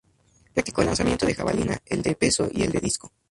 Practicó el lanzamiento de jabalina, el de peso y el de disco.